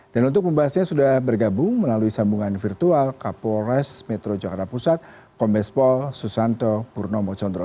dan untuk pembahasannya sudah bergabung melalui sambungan virtual kapolres metro jakarta pusat kombespol susanto purnomo condro